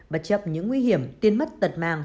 bất chấp những nguy hiểm tiên mất tật mang